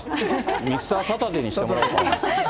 ミスターサタデーにしてもらおうか。